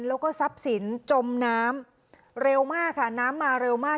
แล้วก็ทรัพย์สินจมน้ำเร็วมากค่ะน้ำมาเร็วมาก